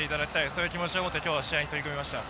そういう気持ちを持って今日は試合に取り組みました。